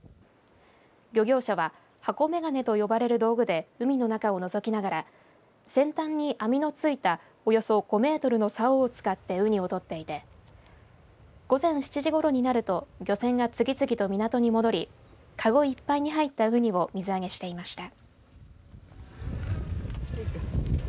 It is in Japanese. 漁業者は箱めがねと呼ばれる道具で海の中をのぞきながら先端に網のついたおよそ５メートルのさおを使ってウニを取っていて午前７時ごろになると漁船が次々と港に戻りかごいっぱいに入ったウニを水揚げしていました。